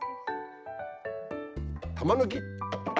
玉抜き。